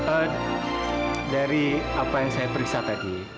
eh dari apa yang saya periksa tadi